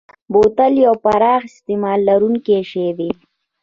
بوتل یو پراخ استعمال لرونکی شی دی.